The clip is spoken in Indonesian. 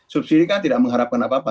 subsidi kan tidak mengharapkan apa apa